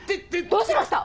どうしました？